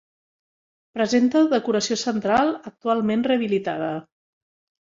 Presenta decoració central actualment rehabilitada.